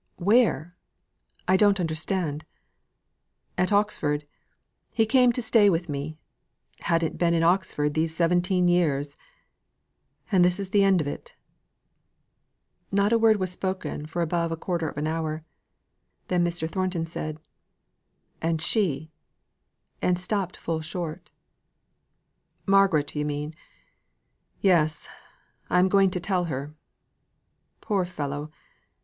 "Where? I don't understand!" "At Oxford. He came to stay with me: hadn't been in Oxford this seventeen years and this is the end of it." Not one word was spoken for above a quarter of an hour. Then Mr. Thornton said: "And she!" and stopped full short. "Margaret you mean. Yes! I am going to tell her. Poor fellow!